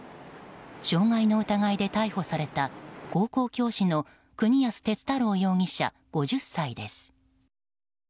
傷害の疑いで逮捕された高校教師の国安鉄太郎容疑者、５０歳です。